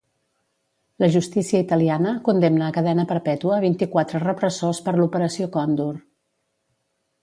La justícia italiana condemna a cadena perpètua vint-i-quatre repressors per l'operació Còndor.